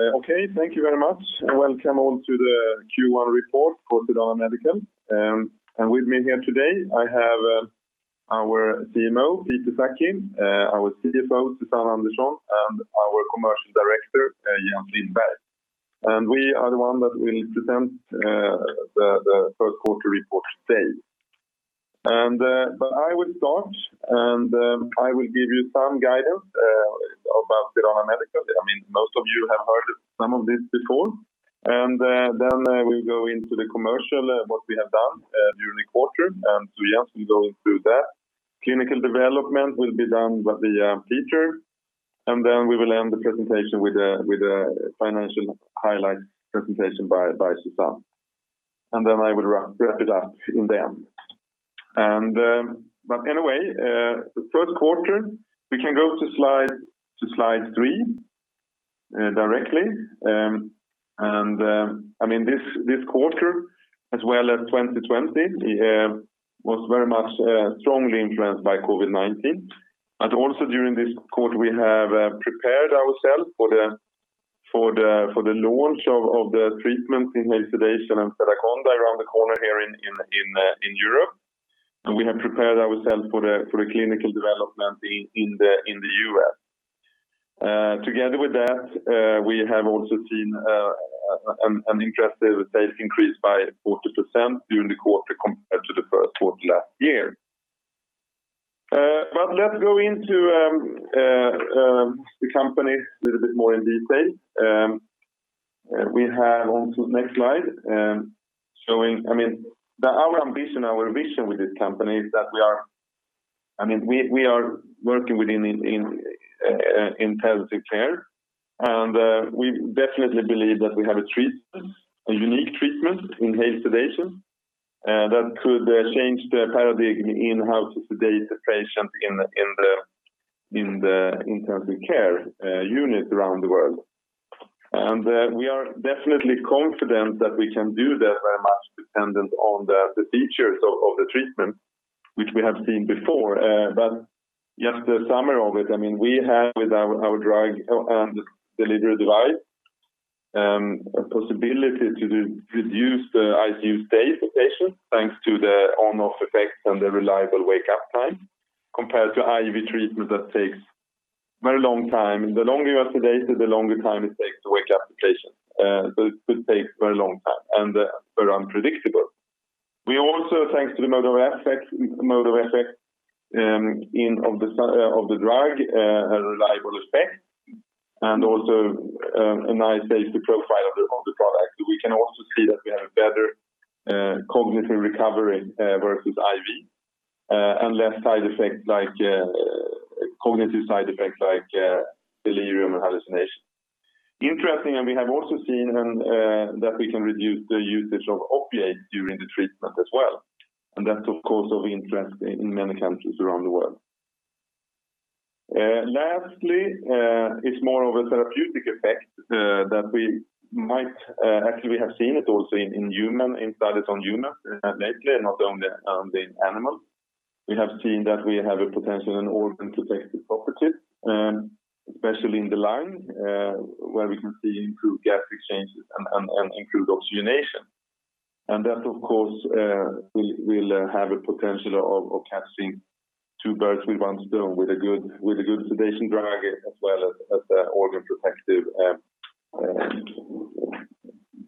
Okay, thank you very much. Welcome all to the Q1 report for Sedana Medical. With me here today, I have our CMO, Peter Sackey, our CFO, Susanne Andersson, and our Commercial Director, Jens Lindberg. We are the ones that will present the first quarter report today. I will start. I will give you some guidance about Sedana Medical. Most of you have heard some of this before. We will go into the commercial, what we have done during the quarter. Yes, we go through that. Clinical development will be done by Peter. We will end the presentation with a financial highlights presentation by Susanne. I will wrap it up in the end. Anyway, the first quarter, we can go to slide three directly. This quarter as well as 2020 was very much strongly influenced by COVID-19. Also during this quarter, we have prepared ourselves for the launch of the treatment in inhaled sedation and Sedaconda around the corner here in Europe. We have prepared ourselves for the clinical development in the U.S. Together with that, we have also seen an interesting sales increase by 40% during the quarter compared to the first quarter last year. Let's go into the company little bit more in detail. We have on to the next slide showing our ambition, our vision with this company is that we are working in intensive care. We definitely believe that we have a unique treatment in inhaled sedation that could change the paradigm in how to sedate the patient in the intensive care unit around the world. We are definitely confident that we can do that very much dependent on the features of the treatment, which we have seen before. Just a summary of it, we have with our drug and delivery device a possibility to reduce the ICU stay for patients thanks to the on/off effect and the reliable wake-up time compared to IV treatment that takes very long time. The longer you are sedated, the longer time it takes to wake up the patient. It could take a very long time and very unpredictable. We also, thanks to the motor effect of the drug, a reliable effect, and also a nice safety profile of the product. We can also see that we have a better cognitive recovery versus IV and less cognitive side effects like delirium and hallucination. Interestingly, we have also seen that we can reduce the usage of opiates during the treatment as well. That's of course of interest in many countries around the world. Lastly, it's more of a therapeutic effect that we might actually have seen it also in studies on humans lately, not only in animals. We have seen that we have a potential in organ protective properties, especially in the lung where we can see improved gas exchanges and improved oxygenation. That of course will have a potential of catching two birds with one stone with a good sedation drug as well as an organ protective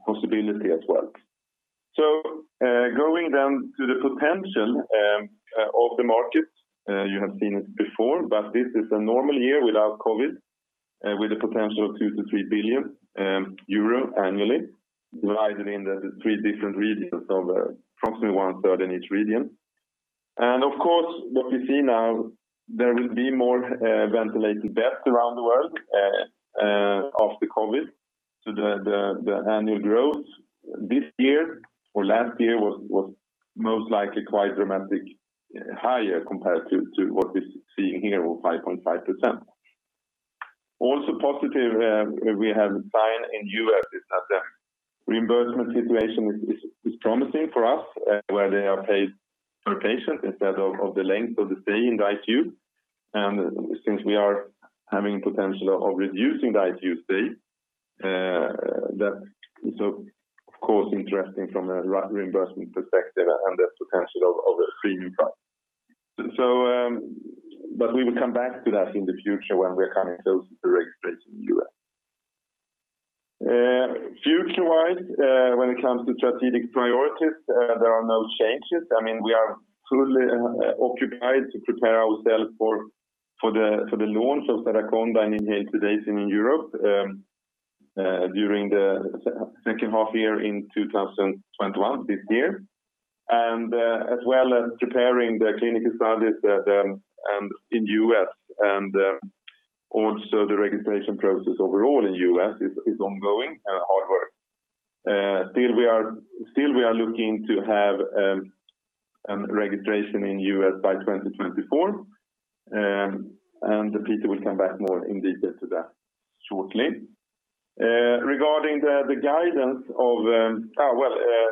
possibility as well. Going down to the potential of the market. You have seen it before, this is a normal year without COVID-19, with a potential of 2 billion-3 billion euro annually divided into three different regions of approximately one third in each region. Of course, what you see now, there will be more ventilated beds around the world after COVID-19. The annual growth this year or last year was most likely quite dramatically higher compared to what we're seeing here with 5.5%. Also positive we have a sign in the U.S. is that the reimbursement situation is promising for us where they are paid per patient instead of the length of the stay in the ICU. Since we are having potential of reducing the ICU stay, that is of course interesting from a reimbursement perspective and the potential of a premium price. We will come back to that in the future when we are coming close to the registration in the U.S. Future-wise, when it comes to strategic priorities, there are no changes. We are fully occupied to prepare ourselves for the launch of Sedaconda in inhaled sedation in Europe during the second half year in 2021, this year. As well as preparing the clinical studies in U.S. and also the registration process overall in U.S. is ongoing, hard work. Still we are looking to have registration in U.S. by 2024. Peter will come back more in detail to that shortly.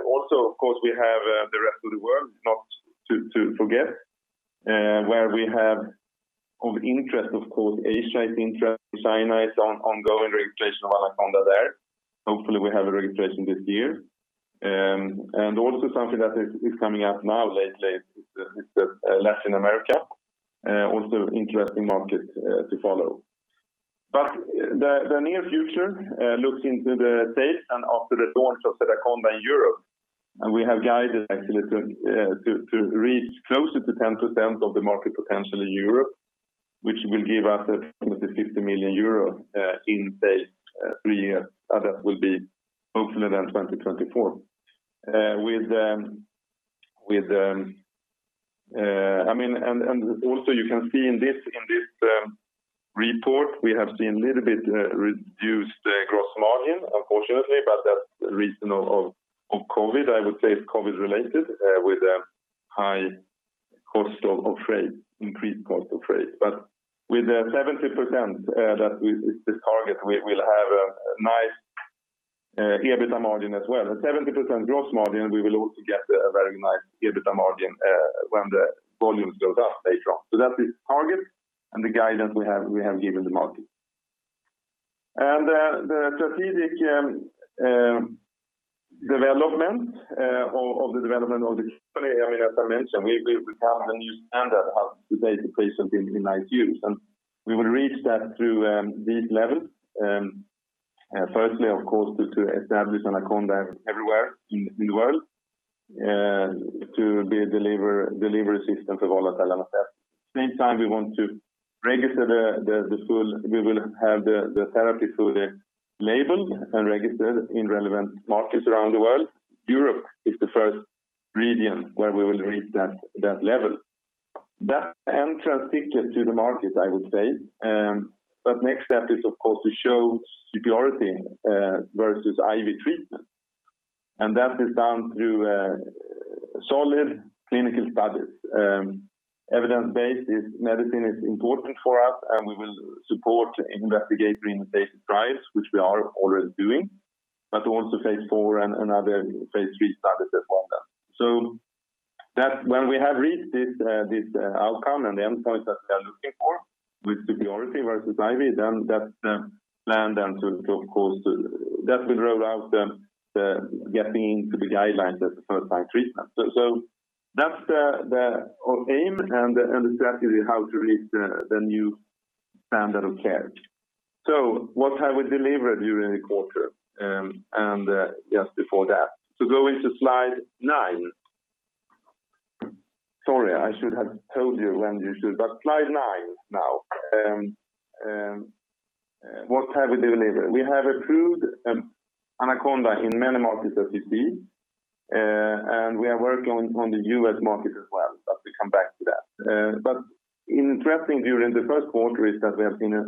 Also, of course, we have the rest of the world, not to forget. Where we have of interest, of course, Asia is interest. China is on ongoing registration of AnaConDa there. Hopefully, we have a registration this year. Also something that is coming up now lately is Latin America. Also interesting market to follow. The near future looks into the U.S. and after the launch of Sedaconda in Europe, and we have guided actually to reach closer to 10% of the market potential in Europe, which will give us 50 million euro in, say, three years. That will be hopefully around 2024. Also you can see in this report, we have seen little bit reduced gross margin unfortunately, but that's the reason of COVID-19. I would say it's COVID-19 related with high increased cost of freight. With 70% that is this target, we will have a nice EBITDA margin as well. At 70% gross margin, we will also get a very nice EBITDA margin when the volumes build up later on. That is target and the guidance we have given the market. The strategic development of the company, as I mentioned, we become the new standard of sedation patient in ICUs, and we will reach that through these levels. Firstly, of course, to establish AnaConDa everywhere in the world to be a delivery system for volatile anesthesia. Same time, we will have the therapy for the label and registered in relevant markets around the world. Europe is the first region where we will reach that level. That entrance ticket to the market, I would say. Next step is of course to show superiority versus IV treatment. That is done through solid clinical studies. Evidence-based medicine is important for us, and we will support investigatory and patient trials, which we are already doing, but also phase IV and other phase III studies as well. When we have reached this outcome and the endpoint that we are looking for with superiority versus IV, that plan will roll out getting into the guidelines as a first-line treatment. That's our aim and the strategy how to reach the new standard of care. What have we delivered during the quarter, and just before that? Go into slide nine. Sorry, I should have told you when you should slide nine now. What have we delivered? We have approved AnaConDa in many markets as you see. We are working on the U.S. market as well, but we come back to that. Interesting during the first quarter is that we have seen a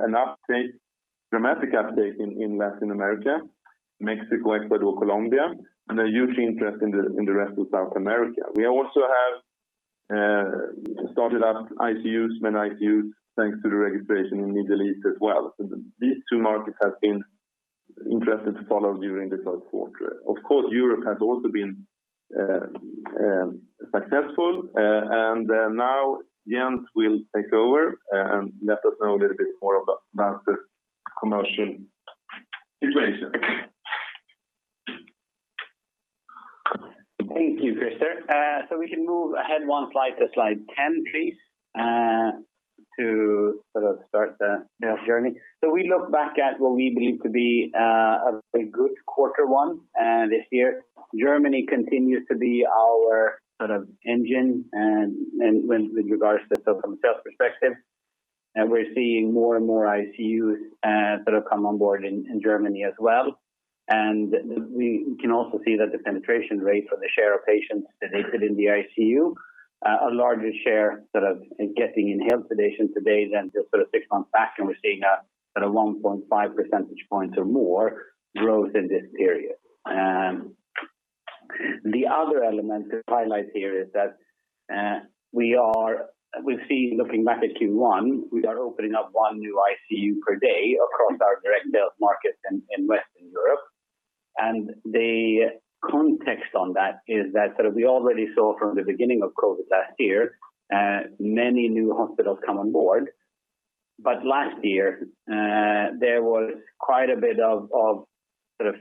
dramatic uptake in Latin America, Mexico, Ecuador, Colombia, and a huge interest in the rest of South America. We also have started up ICUs, many ICUs, thanks to the registration in Middle East as well. These two markets have been interesting to follow during the third quarter. Of course, Europe has also been successful. Now Jens will take over and let us know a little bit more about the commercial situation. Thank you, Christer. We can move ahead one slide to slide 10, please, to sort of start the sales journey. We look back at what we believe to be a very good quarter one this year. Germany continues to be our engine with regards to the sales perspective, we're seeing more and more ICUs that have come on board in Germany as well. We can also see that the penetration rate for the share of patients sedated in the ICU, a larger share getting inhaled sedation today than just six months back. We're seeing a 1.5 percentage points or more growth in this period. The other element to highlight here is that we've seen looking back at Q1, we are opening up one new ICU per day across our direct sales markets in Western Europe. The context on that is that we already saw from the beginning of COVID last year many new hospitals come on board. Last year, there was quite a bit of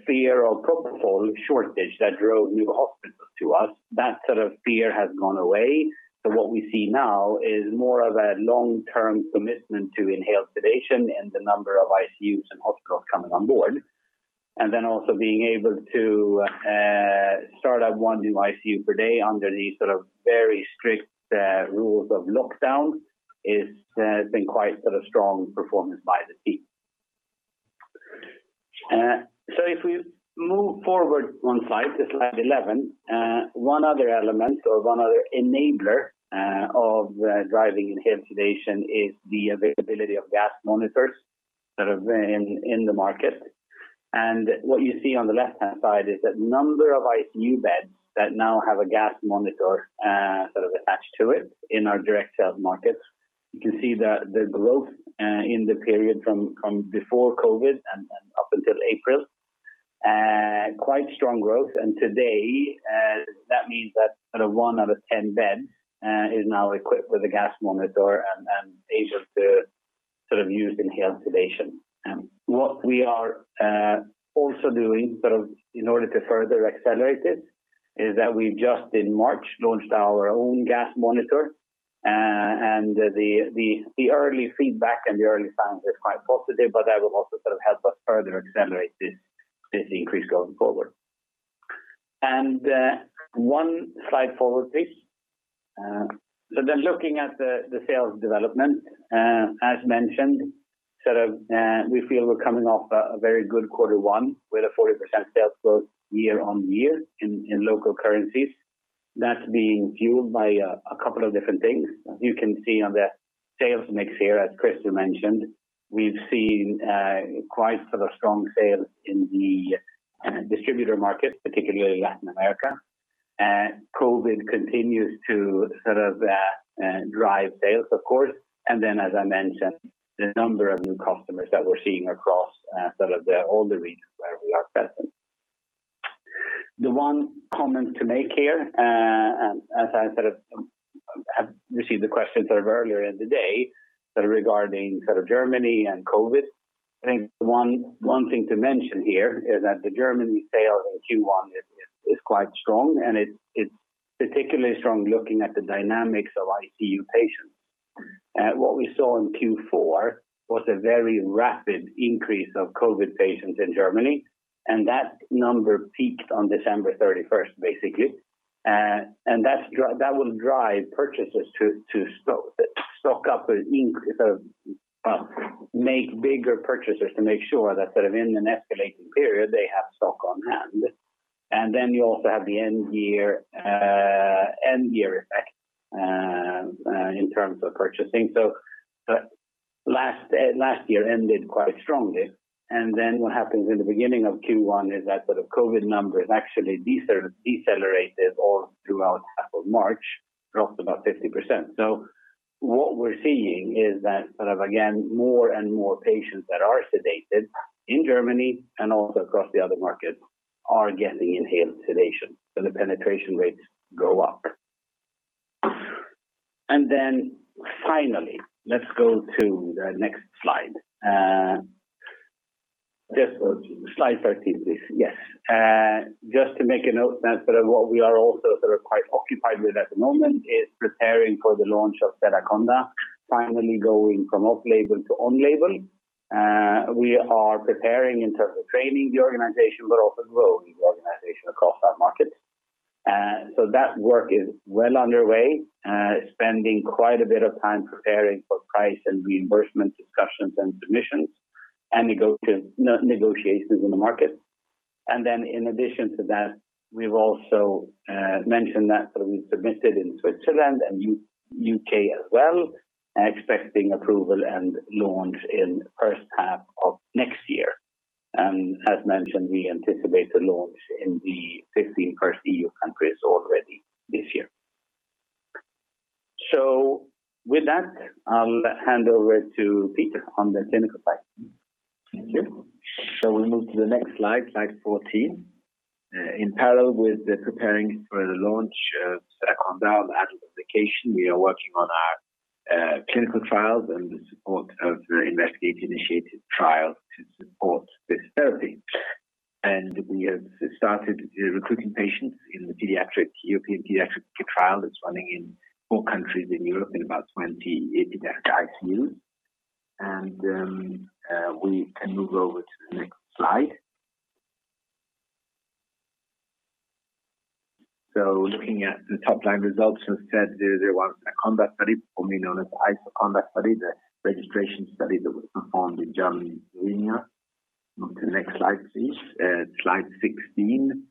fear of propofol shortage that drove new hospitals to us. That fear has gone away. What we see now is more of a long-term commitment to inhaled sedation in the number of ICUs and hospitals coming on board. Also being able to start up one new ICU per day under these very strict rules of lockdown. It's been quite strong performance by the team. If we move forward one slide to slide 11. One other element or one other enabler of driving inhaled sedation is the availability of gas monitors in the market. What you see on the left-hand side is that number of ICU beds that now have a gas monitor attached to it in our direct sales markets. You can see the growth in the period from before COVID-19 and up until April. Quite strong growth. Today, that means that one out of 10 beds is now equipped with a gas monitor and able to use inhaled sedation. What we are also doing in order to further accelerate it, is that we've just in March launched our own gas monitor. The early feedback and the early signs are quite positive, that will also help us further accelerate this increase going forward. One slide forward, please. Looking at the sales development, as mentioned, we feel we're coming off a very good quarter one with a 40% sales growth year-on-year in local currencies. That's being fueled by a couple of different things. As you can see on the sales mix here, as Christer mentioned, we've seen quite strong sales in the distributor market, particularly Latin America. COVID continues to drive sales, of course, and then as I mentioned, the number of new customers that we're seeing across all the regions where we are present. The one comment to make here, and as I have received the question earlier in the day regarding Germany and COVID, I think one thing to mention here is that the Germany sales in Q1 is quite strong, and it's particularly strong looking at the dynamics of ICU patients. What we saw in Q4 was a very rapid increase of COVID patients in Germany, and that number peaked on December 31st, basically. That will drive purchases to stock up, make bigger purchases to make sure that in an escalating period, they have stock on hand. Then you also have the end year effect in terms of purchasing. Last year ended quite strongly. Then what happens in the beginning of Q1 is that the COVID numbers actually decelerated all throughout March, dropped about 50%. What we're seeing is that, again, more and more patients that are sedated in Germany and also across the other markets are getting inhaled sedation. The penetration rates go up. Then finally, let's go to the next slide. Slide 13, please. Yes. Just to make a note that what we are also quite occupied with at the moment is preparing for the launch of Sedaconda, finally going from off-label to on-label. We are preparing in terms of training the organization, but also growing the organization across our markets. That work is well underway. Spending quite a bit of time preparing for price and reimbursement discussions and submissions and negotiations in the market. In addition to that, we've also mentioned that we've submitted in Switzerland and U.K. as well, expecting approval and launch in the first half of next year. As mentioned, we anticipate a launch in the 15 first EU countries already this year. With that, I'll hand over to Peter on the clinical side. Thank you. We'll move to the next slide 14. In parallel with the preparing for the launch of Sedaconda on the adult indication, we are working on our clinical trials and the support of the investigate-initiated trial to support this therapy. We have started recruiting patients in the European pediatric trial that's running in four countries in Europe in about 20 ICU. We can move over to the next slide. Looking at the top-line results from the Sedaconda study, formerly known as the IsoConDa study, the registration study that was performed in Germany and Slovenia. On to the next slide, please. Slide 16.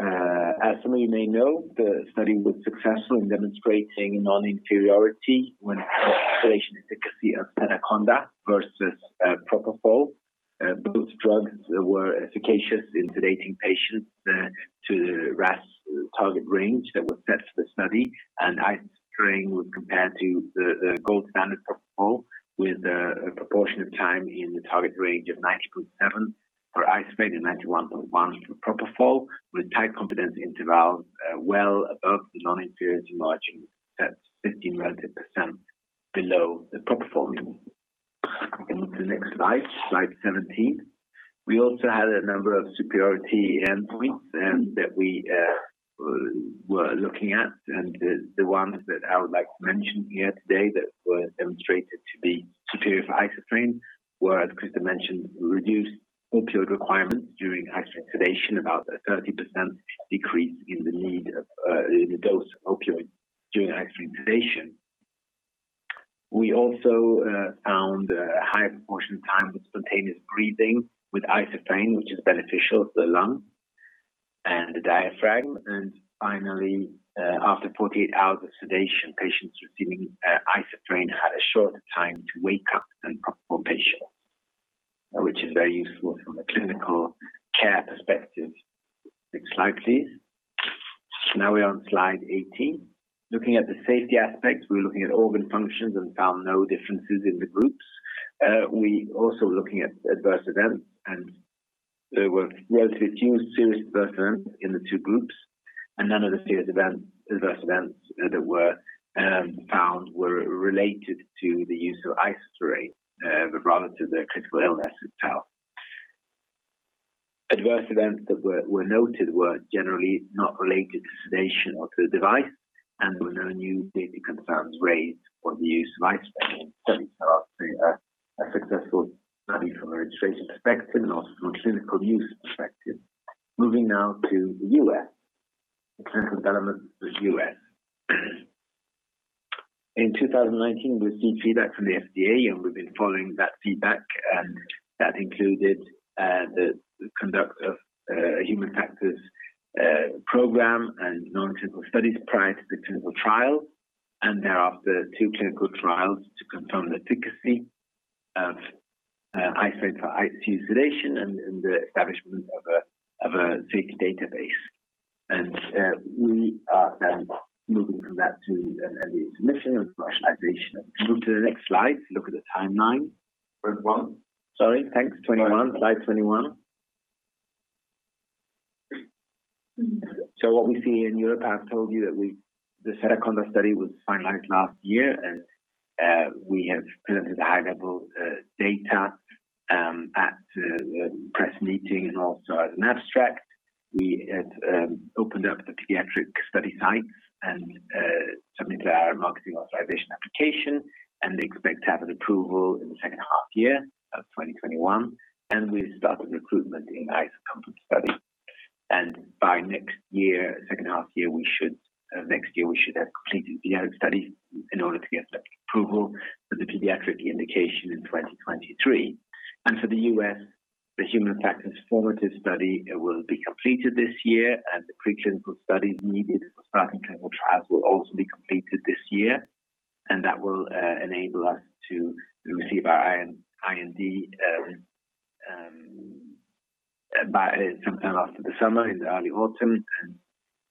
As some of you may know, the study was successful in demonstrating non-inferiority when sedation efficacy of Sedaconda versus propofol. Both drugs were efficacious in sedating patients to the RASS target range that was set for the study. Isoflurane was compared to the gold standard propofol with a proportion of time in the target range of 90.7 for isoflurane and 91.1 for propofol with tight confidence intervals well above the non-inferiority margin, set 15% below the propofol. On to the next slide 17. We also had a number of superiority endpoints that we were looking at. The ones that I would like to mention here today that were demonstrated to be superior for isoflurane were, as Christer mentioned, reduced opioid requirements during isoflurane sedation, about a 30% decrease in the dose of opioid during isoflurane sedation. We also found a higher proportion of time with spontaneous breathing with isoflurane, which is beneficial to the lung and the diaphragm. Finally, after 48 hours of sedation, patients receiving isoflurane had a shorter time to wake up than propofol patients, which is very useful from a clinical care perspective. Next slide, please. Now we're on slide 18. Looking at the safety aspects, we're looking at organ functions and found no differences in the groups. We also looking at adverse events, and there were relatively few serious adverse events in the two groups, and none of the serious adverse events that were found were related to the use of Sedaconda but rather to their critical illness itself. Adverse events that were noted were generally not related to sedation or to the device, and there were no new safety concerns raised for the use of Sedaconda in the study. A successful study from a registration perspective and also from clinical use perspective. Moving now to the U.S., clinical development with U.S. In 2019, we received feedback from the FDA, and we've been following that feedback. That included the conduct of a human factors program and non-clinical studies prior to the clinical trial, and thereafter two clinical trials to confirm the efficacy of isoflurane for ICU sedation and the establishment of a safety database. We are then moving from that to an early submission and commercialization. Move to the next slide to look at the timeline. 21. Sorry. Thanks. 21. Slide 21. What we see in Europe, I've told you that the Sedaconda study was finalized last year, and we have presented the high-level data at a press meeting and also as an abstract. We had opened up the pediatric study site and submitted our marketing authorization application, and we expect to have an approval in the second half year of 2021. We've started recruitment in the IsoCOMFORT study. By next year, second half year, we should have completed pediatric studies in order to get approval for the pediatric indication in 2023. For the U.S., the human factors formative study will be completed this year, and the preclinical studies needed for starting clinical trials will also be completed this year. That will enable us to receive our IND by sometime after the summer, in the early autumn,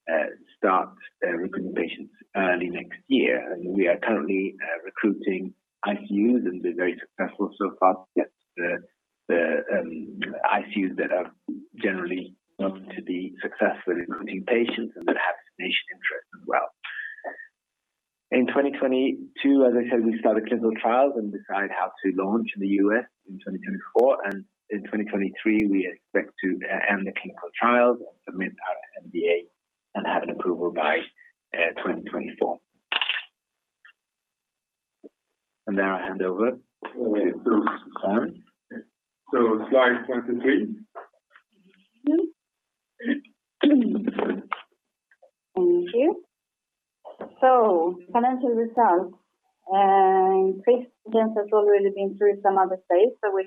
and start recruiting patients early next year. We are currently recruiting ICUs and been very successful so far to get the ICUs that are generally known to be successful in recruiting patients and that have sedation interest as well. In 2022, as I said, we start the clinical trials and decide how to launch in the U.S. in 2024. In 2023, we expect to end the clinical trials and submit our NDA and have an approval by 2024. Now I hand over to Susanne. Slide 23. Thank you. Financial results. Christer has already been through some of the slides. We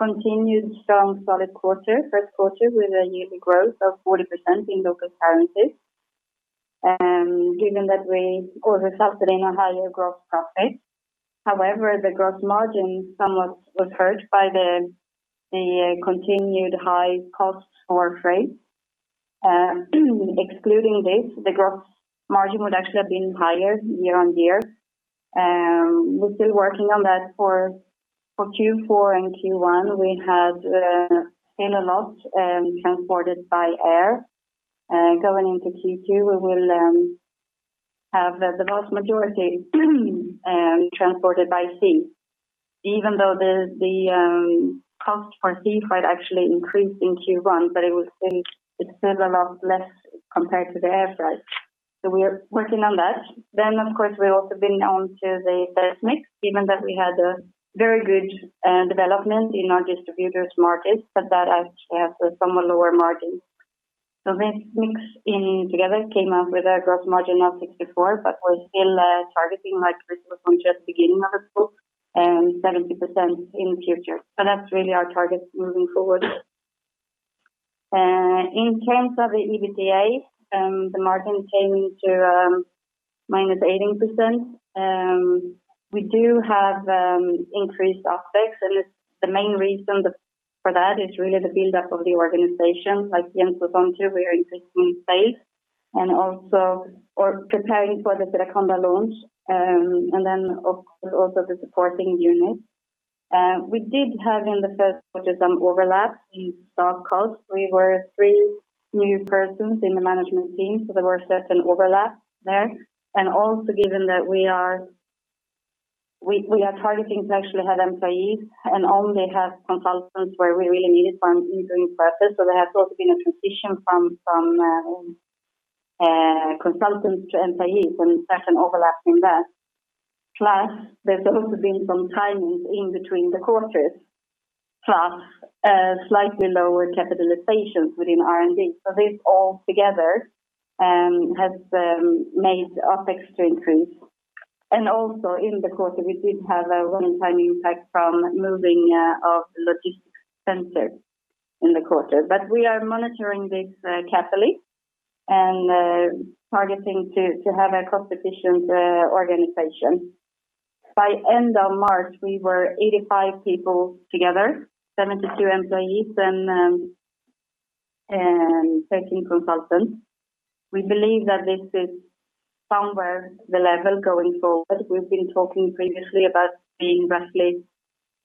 had a continued strong solid quarter, first quarter with a yearly growth of 40% in local currencies. Of course, resulted in a higher gross profit. However, the gross margin somewhat was hurt by the continued high costs for freight. Excluding this, the gross margin would actually have been higher year-on-year. We're still working on that for Q4 and Q1. We had seen a lot transported by air. Going into Q2, we will have the vast majority transported by sea. Even though the cost for sea freight actually increased in Q1, but it's still a lot less compared to the air freight. We are working on that. Of course, we've also been on to the mix, given that we had a very good development in our distributors markets, but that actually has a somewhat lower margin. This mix in together came up with a gross margin of 64%, but we're still targeting, like Christer from just beginning of the talk, 70% in the future. That's really our target moving forward. In terms of the EBITDA, the margin came to -18%. We do have increased OpEx, the main reason for that is really the build-up of the organization. Like Jens was on to, we are increasing sales and also preparing for the Sedaconda launch. Of course, also the supporting units. We did have in the first quarter some overlap in stock costs. We were three new persons in the management team, so there were certain overlaps there. Given that we are targeting to actually have employees and only have consultants where we really need it for an interim purpose. There has also been a transition from consultants to employees, and there's an overlap in that. There's also been some timings in between the quarters, plus slightly lower capitalizations within R&D. This all together has made OpEx to increase. In the quarter, we did have a one-time impact from moving of the logistics center in the quarter. We are monitoring this carefully and targeting to have a cost-efficient organization. By end of March, we were 85 people together, 72 employees and 13 consultants. We believe that this is somewhere the level going forward. We've been talking previously about being roughly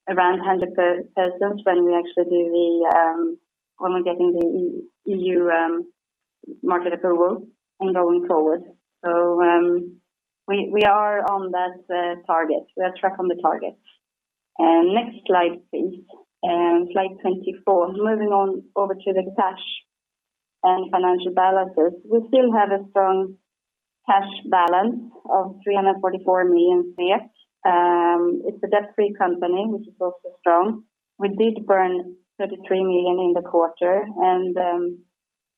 around 100 persons when we're getting the EU market approval and going forward. We are on track on the target. Next slide, please. Slide 24. Moving on over to the cash and financial balances. We still have a strong cash balance of 344 million. It's a debt-free company, which is also strong. We did burn 33 million in the quarter, and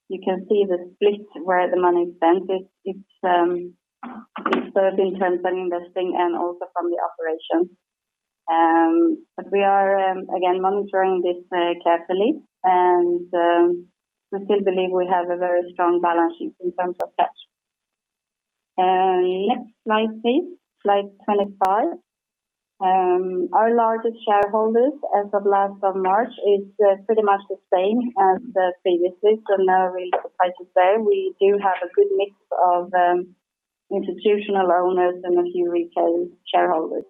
you can see the split where the money is spent. It's both in terms of investing and also from the operations. We are, again, monitoring this carefully, and we still believe we have a very strong balance sheet in terms of cash. Next slide, please. Slide 25. Our largest shareholders as of last of March is pretty much the same as previously. I'm not really surprised to say we do have a good mix of institutional owners and a few retail shareholders.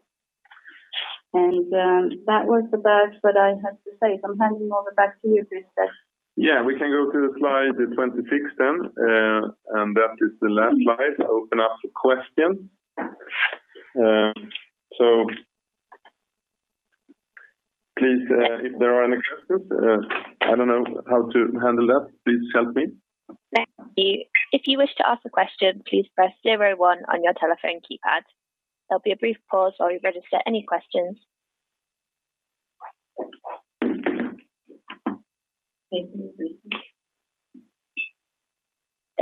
That was about what I had to say. I'm handing over back to you, Christer. Yeah, we can go to the slide 26. That is the last slide. Open up for questions. Please, if there are any questions, I don't know how to handle that. Please help me. Thank you. If you wish to ask a question, please press zero one on your telephone keypad. There'll be a brief pause while we register any questions. There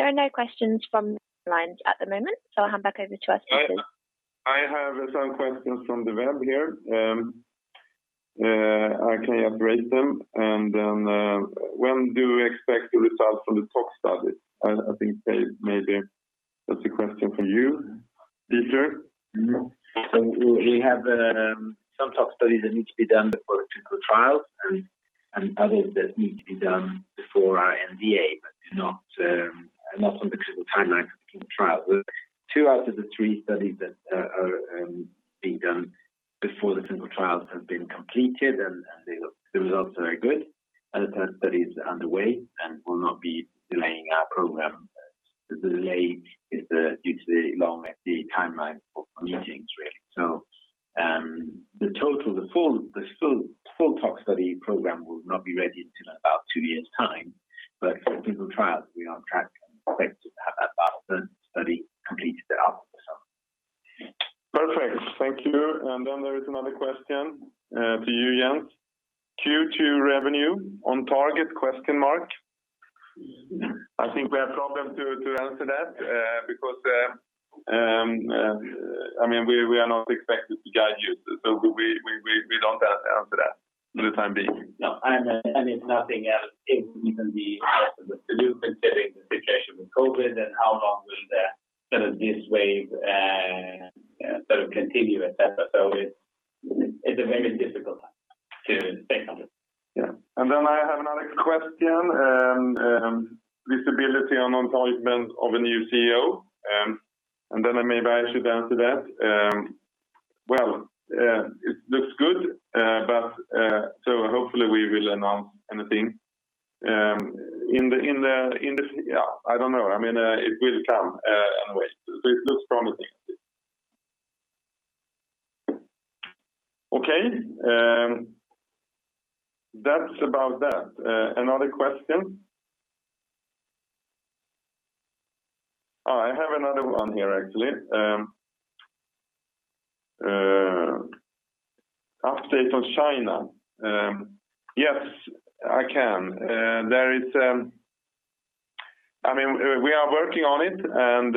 are no questions from the lines at the moment, so I'll hand back over to our speakers. I have some questions from the web here. I can raise them. When do we expect the results from the tox study? I think maybe that's a question for you, Peter. We have some tox studies that need to be done before the clinical trials and others that need to be done before our NDA, but not on the critical timeline for the clinical trial. Two out of the three studies that are being done before the clinical trials have been completed, and the results are good. Other tox studies are underway and will not be delaying our program. The delay is due to the long FDA timeline for meetings, really. The full tox study program will not be ready until about two years' time. For the clinical trials, we are on track and expect to have that study completed after the summer. Perfect. Thank you. There is another question to you, Jens. Q2 revenue on target? I think we have problem to answer that because we are not expected to guide you. We don't answer that for the time being. No, if nothing else, it will even be less of a dilute considering the situation with COVID and how long will this wave continue et cetera. It's a very difficult to say something. Yeah. I have another question. Visibility on appointment of a new CEO. Maybe I should answer that. Well, it looks good. Hopefully we will announce anything. I don't know. It will come anyway. It looks promising. Okay. That's about that. Another question? I have another one here, actually. Update on China. Yes, I can. We are working on it, and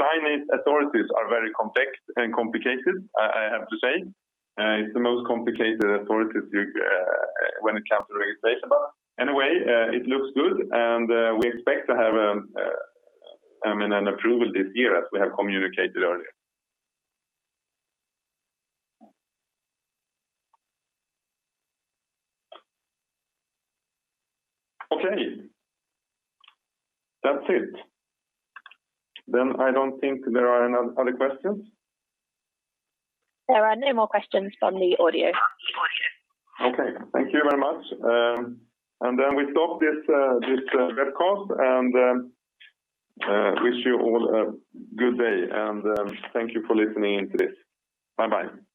Chinese authorities are very complex and complicated, I have to say. It's the most complicated authorities when it comes to regulation. Anyway, it looks good, and we expect to have an approval this year as we have communicated earlier. Okay. That's it. I don't think there are any other questions. There are no more questions from the audio. Okay. Thank you very much. We stop this webcast and wish you all a good day, and thank you for listening to this. Bye-bye.